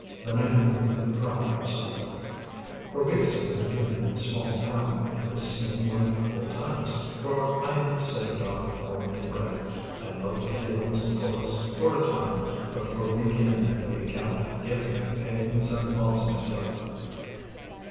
Then I mingled with the crowd on the sidewalk. For weeks I had been living in a small town, and this seemed like old times, for I am a city dog born and bred. I love the fields and the forests for a time, but for week in and week out, give me the pavements and lots of excitement.